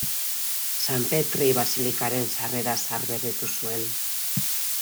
San Petri basilikaren sarrera zaharberritu zuen.